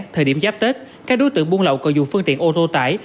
thời điểm giáp tết các đối tượng buôn lậu cầu dụng phương tiện ô tô tải